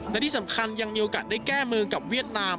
และที่สำคัญยังมีโอกาสได้แก้มือกับเวียดนาม